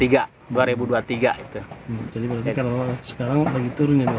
jadi berarti sekarang lagi turun ya